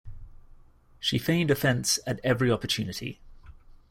She feigned offense at every opportunity.